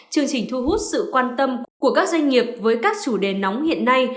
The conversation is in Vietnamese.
chương trình thu hút sự quan tâm của các doanh nghiệp với các chủ đề nóng hiện nay